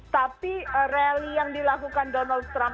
tapi rally yang dilakukan donald trump